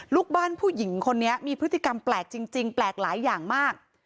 ลูกบ้านผู้หญิงคนนี้มีพฤติกรรมแปลกจริงแปลกหลายอย่างมาก